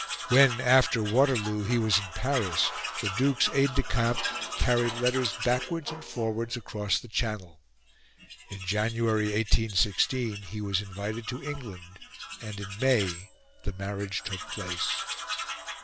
When, after Waterloo, he was in Paris, the Duke's aide de camp carried letters backwards and forwards across the Channel. In January 1816 he was invited to England, and in May the marriage took place.